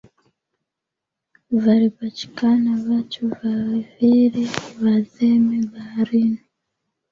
Valipachikana vachu vavili vadheme baharini